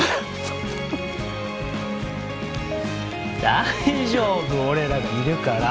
大丈夫俺らがいるから。